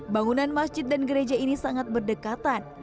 bangunan masjid dan gereja ini sangat berdekatan